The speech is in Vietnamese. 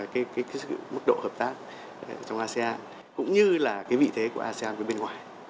cái mức độ hợp tác trong asean cũng như là cái vị thế của asean với bên ngoài